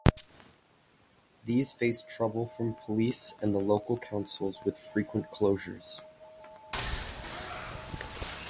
These faced trouble from police and the local councils with frequent closures.